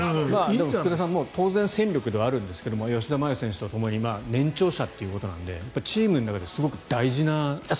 福田さん、当然戦力ではあるんですが吉田麻也選手とともに年長者ということなのでチームの中ですごく大事な存在だと。